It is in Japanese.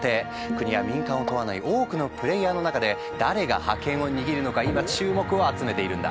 国や民間を問わない多くのプレーヤーの中で誰が覇権を握るのか今注目を集めているんだ。